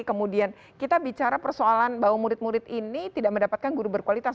kemudian kita bicara persoalan bahwa murid murid ini tidak mendapatkan guru berkualitas